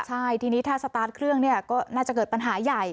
ใช่ทีนี้ถ้าสตาร์ทเครื่องเนี่ยก็น่าจะเกิดปัญหาใหญ่